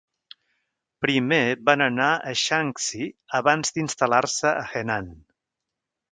Primer van anar a Shanxi abans d'instal·lar-se a Henan.